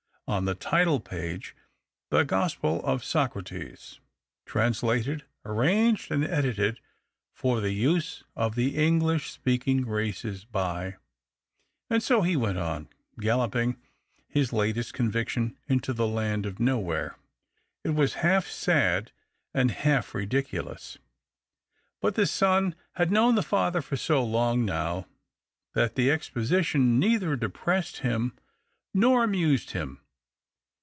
On the title page, " The Gospel of Socrates. Translated, arranged, and edited for the use of the English speaking races by " And so he went on, galloping his latest conviction into the land of nowhere. It was half sad and half ridiculous. But the son had known the father for so long now that the exposition neither depressed him nor amused him.